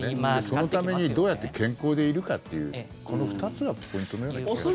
そのためにどうやって健康でいるかっていうこの２つがポイントのような気がしますね。